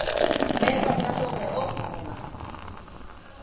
明確な答弁を求めます。